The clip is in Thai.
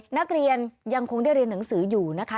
นักเรียนยังคงได้เรียนหนังสืออยู่นะคะ